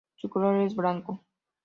Su color es blanco.